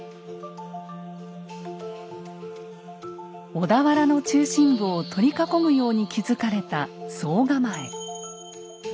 小田原の中心部を取り囲むように築かれた総構。